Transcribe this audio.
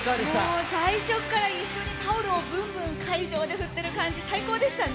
もう最初から一緒にタオルをぶんぶん会場て振ってる感じ、最高でしたね。